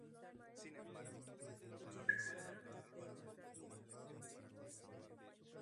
Como sede de gobierno de la prefectura se ubican los edificios administrativos.